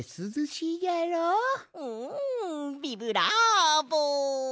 うんビブラーボ！